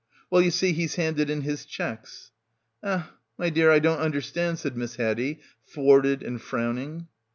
"Well, you see, he's handed in his checks." "Eh, my dear — I don't understand," said Miss Haddie thwarted and frowning.